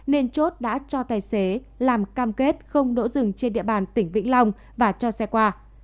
nên chốt đã cho tài xế làm cam kết không đỗ rừng trên địa bàn tỉnh vĩnh long và cho xe qua